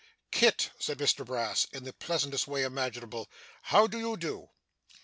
'Kit,' said Mr Brass, in the pleasantest way imaginable, 'how do you do?